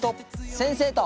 先生と。